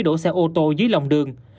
đổ xe ô tô dưới lòng đường